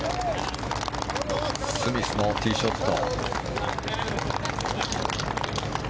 スミスのティーショット。